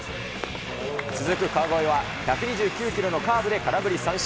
続く川越は１２９キロのカーブで空振り三振。